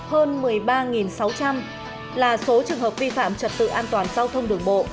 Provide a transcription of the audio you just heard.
hơn một mươi ba sáu trăm linh là số trường hợp vi phạm trật tự an toàn giao thông đường bộ